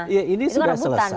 iya ini sudah selesai